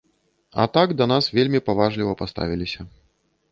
А так да нас вельмі паважліва паставіліся.